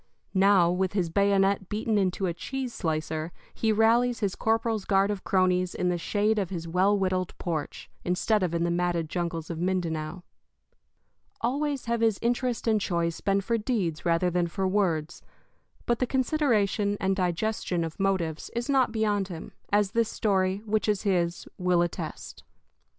Now, with his bayonet beaten into a cheese slicer, he rallies his corporal's guard of cronies in the shade of his well whittled porch, instead of in the matted jungles of Mindanao. Always have his interest and choice been for deeds rather than for words; but the consideration and digestion of motives is not beyond him, as this story, which is his, will attest.